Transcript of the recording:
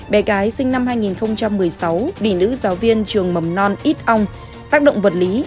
bé gái sinh năm hai nghìn một mươi sáu bị nữ giáo viên trường mầm non ít ong tác động vật lý